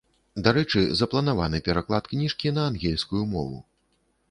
Дарэчы, запланаваны пераклад кніжкі на ангельскую мову.